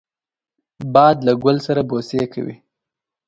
باد له ګل سره بوسې کوي